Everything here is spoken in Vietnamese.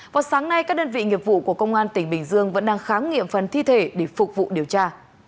vào sáng nay các đơn vị nghiệp vụ của công an tỉnh bình dương vẫn đang khám nghiệm phần thi thể để phục vụ điều tra